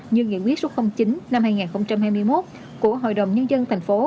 như nghị quyết số chín năm hai nghìn hai mươi một của hội đồng nhân dân thành phố